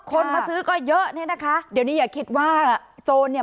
คนมาซื้อก็เยอะเนี่ยนะคะเดี๋ยวนี้อย่าคิดว่าโจรเนี่ย